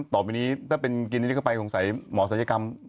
ต่อไปนี้ถ้าเป็นกินนี้เข้าไปคงใส่หมอศัตริยกรรม